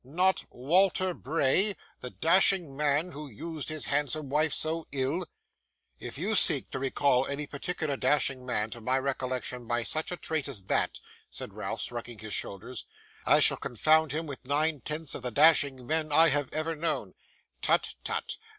'Not Walter Bray! The dashing man, who used his handsome wife so ill?' 'If you seek to recall any particular dashing man to my recollection by such a trait as that,' said Ralph, shrugging his shoulders, 'I shall confound him with nine tenths of the dashing men I have ever known.' 'Tut, tut.